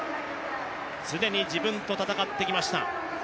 常に自分と闘ってきました。